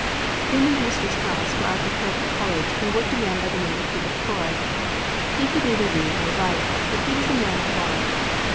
In the minister's house where I prepared for college there worked a man by the name of Peter Croy. He could neither read nor write, but he was a man of God.